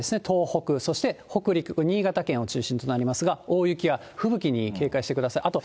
東北、そして北陸、新潟県を中心となりますが、大雪や吹雪に警戒してください。